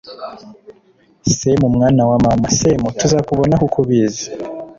semu mwana wa mama, semu tuzakubona he uko ubizi